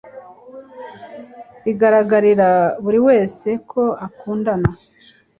Bigaragarira buri wese ko akundana